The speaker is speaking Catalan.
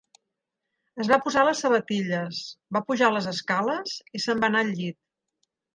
Es va posar les sabatilles, va pujar les escales i se'n va anar al llit.